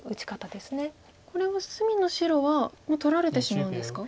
これは隅の白はもう取られてしまうんですか？